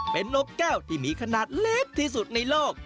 เป็นนกแก้วที่มีขนาดเล็กที่สุดในโลก